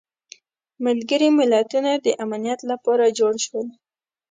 ملګري ملتونه د امنیت لپاره جوړ شول.